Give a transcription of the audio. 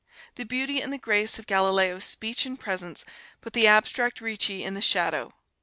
The beauty and the grace of Galileo's speech and presence put the abstract Ricci in the shadow.